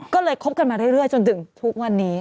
ก็เลยคบกันมาเรื่อยจนถึงทุกวันนี้